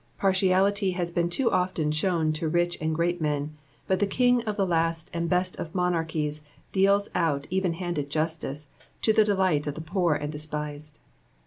Partialiiy has been too often shown to rich and great meu, but the King of the last aud best of monarchies deals out even handed justice, to the delight of the poor and despised.